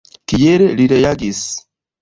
Kiel li reagis?